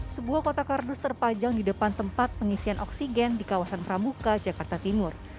sebuah kotak kardus terpajang di depan tempat pengisian oksigen di kawasan pramuka jakarta timur